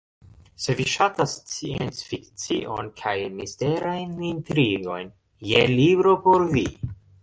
Se vi ŝatas sciencfikcion kaj misterajn intrigojn, jen libro por vi.